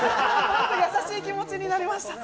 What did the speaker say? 優しい気持ちになりました。